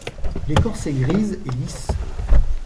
L'écorce est grise et lisse.